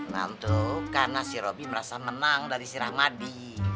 nah untuk karena si robi merasa menang dari si rahmadi